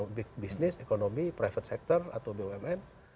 kedua di bidang bisnis ekonomi private sector atau bumn